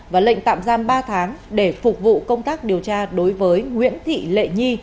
và lệnh tạm giam ba tháng để phục vụ công tác điều tra đối với nguyễn thị lệ nhi